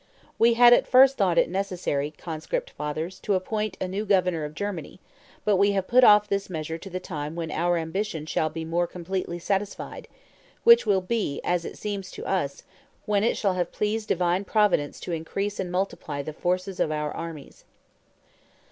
We had at first thought it necessary, Conscript Fathers, to appoint a new Governor of Germany; but we have put off this measure to the time when our ambition shall be more completely satisfied, which will be, as it seems to us, when it shall have pleased Divine Providence to increase and multiply the forces of our armies."